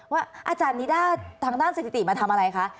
อาจารย์นิด้าทางด้านสถิติมาทำอะไรคะ